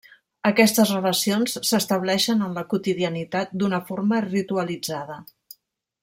Aquestes relacions s'estableixen en la quotidianitat d'una forma ritualitzada.